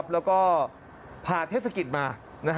แล้วก็พาเทศกิจมา